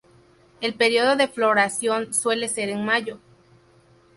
El periodo de floración suele ser en mayo.